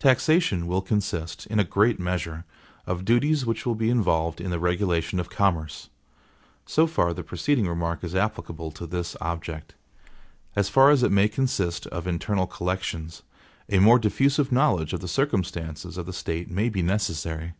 Taxation will consist, in a great measure, of duties which will be involved in the regulation of commerce. So far the preceding remark is applicable to this object. As far as it may consist of internal collections, a more diffusive knowledge of the circumstances of the State may be necessary.